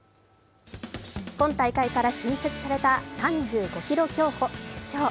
今大会から新設された３５ｋｍ競歩決勝。